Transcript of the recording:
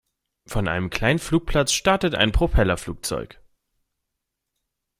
Von einem kleinen Flugplatz startet ein Propellerflugzeug.